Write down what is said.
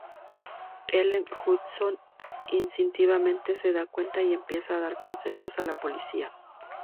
Helen Hudson instintivamente se da cuenta y empieza a dar consejos a la policía.